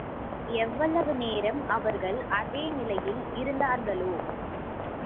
எவ்வளவு நேரம் அவர்கள் அதே நிலையில் இருந்தார்களோ?